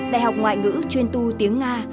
đại học ngoại ngữ chuyên tu tiếng nga